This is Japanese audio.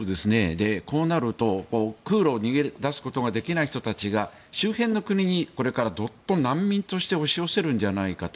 こうなると空路、逃げ出すことができない人たちが周辺の国にこれからドッと難民として押し寄せるんじゃないかと。